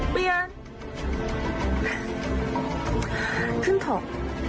พี่ยันขึ้นเถอะอ๋อ